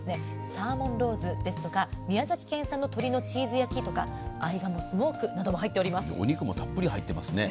サーモンローズですとか宮崎県産の鶏のチーズ焼きとか合鴨スモークなどもお肉もたっぷり入っていますね。